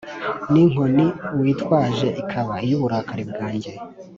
n’inkoni witwaje ikaba iy’uburakari bwanjye.